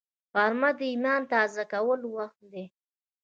غرمه د ایمان تازه کولو وخت دی